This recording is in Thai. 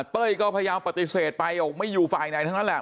เต้ยก็พยายามปฏิเสธไปบอกไม่อยู่ฝ่ายไหนทั้งนั้นแหละ